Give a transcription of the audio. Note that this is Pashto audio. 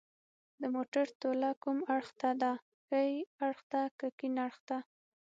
د موټر توله کوم اړخ ته ده ښي اړخ که کیڼ اړخ ته